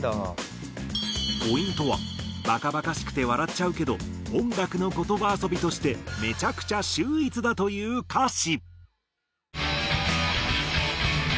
ポイントはバカバカしくて笑っちゃうけど音楽の言葉遊びとしてめちゃくちゃ秀逸だという歌詞。